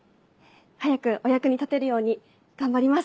早くお役に立てるように頑張ります。